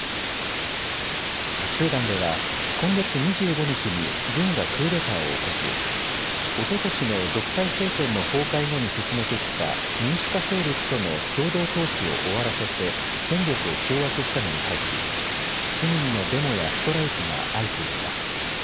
スーダンでは今月２５日に軍がクーデターを起こしおととしの独裁政権の崩壊後に進めてきた民主化勢力との共同統治を終わらせて権力を掌握したのに対し市民のデモやストライキが相次いでいます。